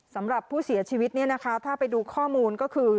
สำหรับผู้เสียชีวิตเนี่ยนะคะถ้าไปดูข้อมูลก็คือ